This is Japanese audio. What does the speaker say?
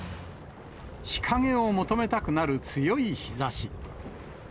日陰を求めたくなる強い日ざし。